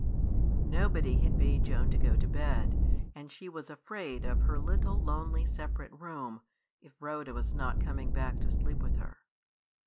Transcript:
Nobody had bade Joan to go to bed, and she was afraid of her little, lonely, separate room, if Rhoda was not coming back to sleep with her.